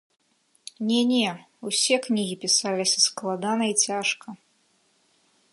Не-не, усе кнігі пісаліся складана і цяжка.